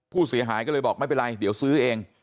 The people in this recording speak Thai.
ผู้เสียหายก็เลยบอกไม่เป็นไรเดี๋ยวซื้อเอง